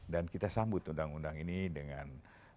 dan kita sambut undang undang ini dengan